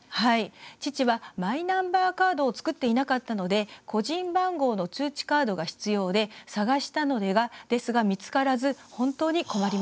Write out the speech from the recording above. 父はマイナンバーカードを作っていなかったので個人番号の通知カードが必要で探したのですが、見つからず本当に困りました。